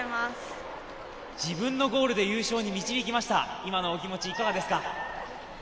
自分のゴールで優勝に導きました、今のお気持ちいかがですか？